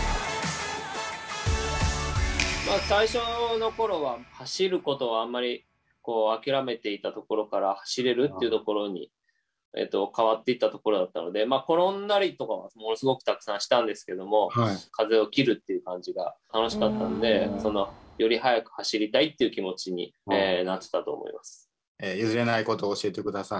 まあ最初の頃は走ることをあんまり諦めていたところから走れるっていうところに変わっていったところだったのでまあ転んだりとかもものすごくたくさんしたんですけども風を切るっていう感じが楽しかったんでより速く走りたいっていう気持ちになってたと思います。